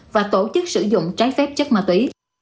và tổ chức sử dụng trái phép chất ma túy